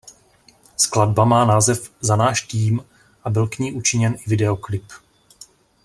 Skladba má název "Za náš tým" a byl k ní učiněn i videoklip.